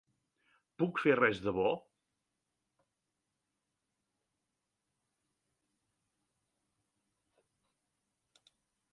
Puc fer res de bo?